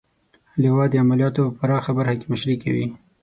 لوا د عملیاتو په پراخه برخه کې مشري کوي.